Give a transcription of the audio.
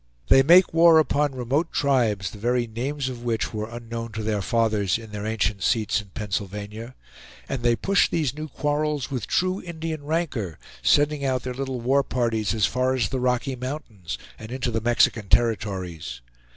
They make war upon remote tribes the very names of which were unknown to their fathers in their ancient seats in Pennsylvania; and they push these new quarrels with true Indian rancor, sending out their little war parties as far as the Rocky Mountains, and into the Mexican territories.